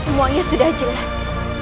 semuanya sudah jelas